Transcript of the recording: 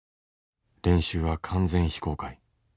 練習は完全非公開。